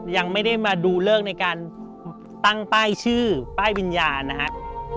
ยังไม่ได้มาดูเลิกในการตั้งป้ายชื่อป้ายวิญญาณนะครับ